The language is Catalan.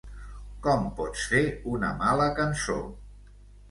Com pots fer una mala cançó?